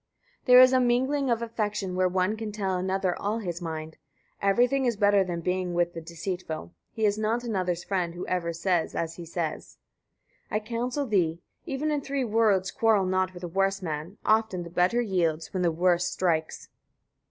126. There is a mingling of affection, where one can tell another all his mind. Everything is better than being with the deceitful. He is not another's friend who ever says as he says. 127. I counsel thee, etc. Even in three words quarrel not with a worse man: often the better yields, when the worse strikes.